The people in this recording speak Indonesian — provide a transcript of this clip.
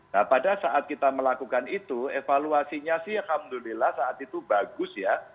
nah pada saat kita melakukan itu evaluasinya sih alhamdulillah saat itu bagus ya